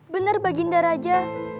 benar baginda raja